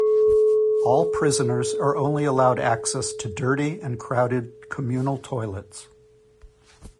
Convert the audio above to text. All prisoners are only allowed access to dirty and crowded communal toilets.